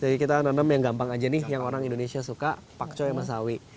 jadi kita tanam yang gampang aja nih yang orang indonesia suka pakcoy sama sawi